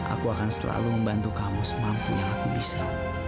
aku akan selalu membantu kamu semampu yang aku bisa